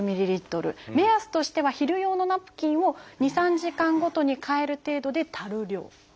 目安としては昼用のナプキンを２３時間ごとに替える程度で足る量。